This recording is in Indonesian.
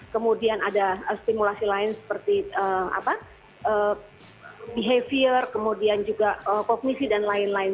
kemudian ada stimulasi lain seperti behavior kemudian juga kognisi dan lain lain